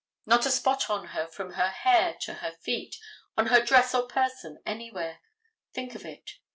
Not a spot on her from her hair to her feet, on her dress or person anywhere. Think of it.